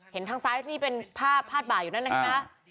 เห็นทางซ้ายที่นี่เป็นภาพภาตบ่าอยู่นั่นนะครับ